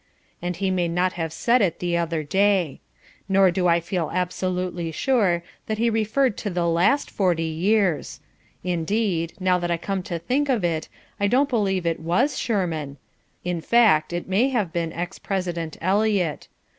And he may not have said it the other day. Nor do I feel absolutely sure that he referred to the LAST forty years. Indeed now that I come to think of it, I don't believe it WAS Shurman. In fact it may have been ex President Eliot.